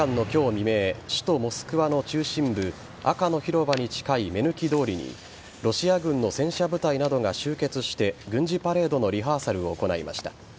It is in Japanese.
未明首都・モスクワの中心部赤の広場に近い目抜き通りにロシア軍の戦車部隊などが集結して軍事パレードのリハーサルを行いました。